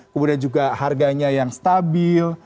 kemudian juga harganya yang stabil